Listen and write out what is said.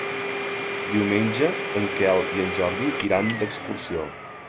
Diumenge en Quel i en Jordi iran d'excursió.